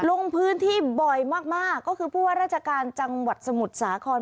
ลงพื้นที่บ่อยมากมากก็คือผู้ว่าราชการจังหวัดสมุทรสาคร